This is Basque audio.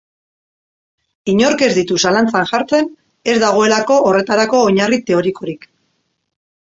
Inork ez ditu zalantzan jartzen, ez dagoelako horretarako oinarri teorikorik.